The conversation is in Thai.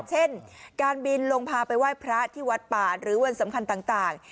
เช่นการบินลงพาไปไหว้พระที่วัดป่าหรือวันสำคัญต่าง